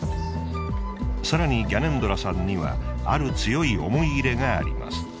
更にギャネンドラさんにはある強い思い入れがあります。